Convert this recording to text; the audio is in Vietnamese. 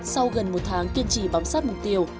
sau gần một tháng kiên trì bám sát mục tiêu